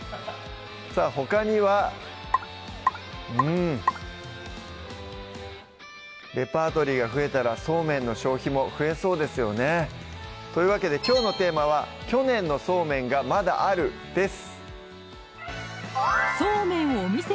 さぁほかにはうんレパートリーが増えたら素麺の消費も増えそうですよねというわけできょうのテーマは「去年の素麺がまだある」です